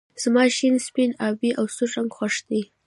زما شين سپين آبی او سور رنګ خوښ دي